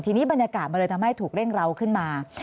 ทีนี้บรรยากาศมันเลยทำให้ถูกเร่งเราขึ้นมา